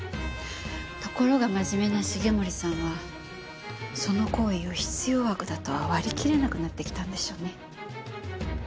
ところが真面目な重森さんはその行為を必要悪だとは割り切れなくなってきたんでしょうね。